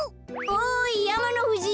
おいやまのふじ